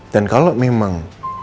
dan kalau memang